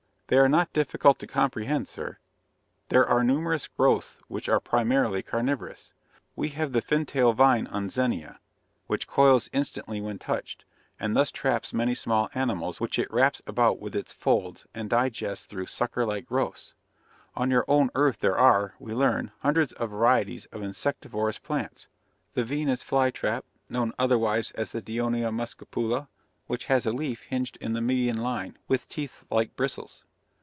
"They are not difficult to comprehend, sir. There are numerous growths that are primarily carnivorous. We have the fintal vine on Zenia, which coils instantly when touched, and thus traps many small animals which it wraps about with its folds and digests through sucker like growths. "On your own Earth there are, we learn, hundreds of varieties of insectivorous plants: the Venus fly trap, known otherwise as the Dionaea Muscipula, which has a leaf hinged in the median line, with teeth like bristles.